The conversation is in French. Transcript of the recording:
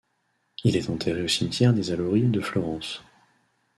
Il est enterré au cimetière des Allori de Florence.